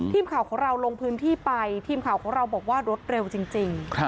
ทีมข่าวของเราลงพื้นที่ไปทีมข่าวของเราบอกว่ารถเร็วจริง